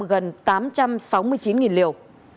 gần tám trăm sáu mươi chín liều